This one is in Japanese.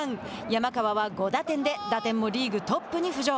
山川は５打点で打点もリーグトップに浮上。